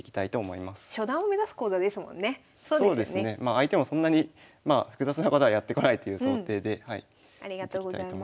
相手もそんなにまあ複雑なことはやってこないという想定で見ていきたいと思います。